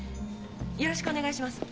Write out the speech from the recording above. よろしくお願いします。